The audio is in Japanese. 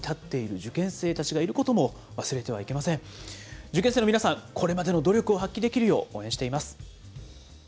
受験生の皆さん、これまでの努力を発揮できるよう、応援しています。